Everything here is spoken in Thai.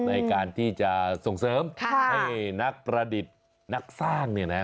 ในการที่จะส่งเสริมให้นักประดิษฐ์นักสร้างเนี่ยนะ